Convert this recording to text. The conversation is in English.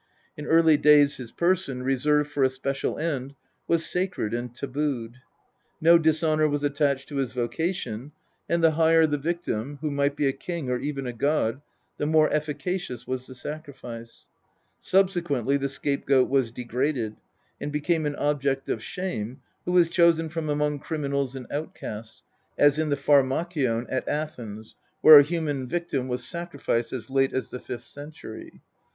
In early days his person, reserved for a special end, was sacred and tabooed. No dishonour was attached to his vocation, and the higher the victim, who might be a king or even a god, the more efficacious was the sacrifice. Subsequently the scapegoat was degraded, and became an object of shame, who was chosen from among criminals and outcasts, as in the Pharmakion at Athens, where a human victim was sacrificed as late as the fifth century.